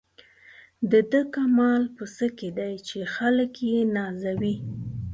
د ده کمال په څه کې دی چې خلک یې نازوي.